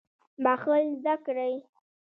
بخښل زده کړئ